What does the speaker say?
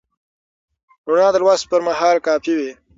رڼا د لوست پر مهال کافي وي.